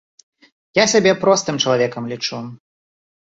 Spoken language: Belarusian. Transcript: Я сябе простым чалавекам лічу.